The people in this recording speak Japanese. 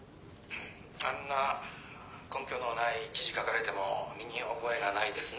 「あんな根拠のない記事書かれても身に覚えがないですね。